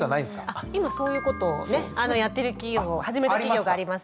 あっ今そういうことをねやってる企業を始めた企業があります。